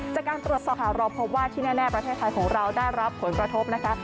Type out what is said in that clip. จากการตรวจสอบค่ะเราพบว่าที่แน่ประเทศไทยของเราได้รับผลกระทบนะคะ